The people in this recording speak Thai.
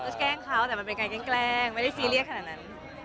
เป็นการแก้งแกล้งไม่ได้แฟรีเรียสใหม่นั้น